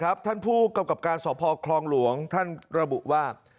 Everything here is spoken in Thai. ท่านผู้กำกับการสพคลองหลวงท่านระบุว่า